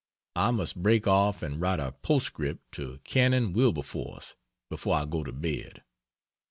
I must break off and write a postscript to Canon Wilberforce before I go to bed.